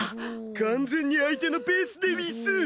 完全に相手のペースでうぃす。